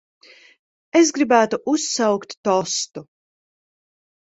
Es gribētu uzsaukt tostu.